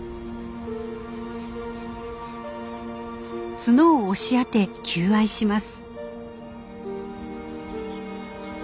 角を押し当て求愛します。